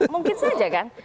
mungkin saja kan